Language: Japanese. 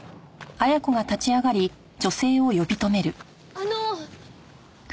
あの！